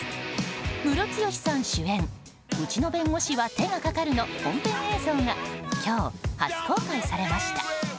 ムロツヨシさん主演「うちの弁護士は手がかかる」の本編映像が今日初公開されました。